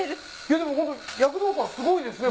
でも躍動感すごいですね。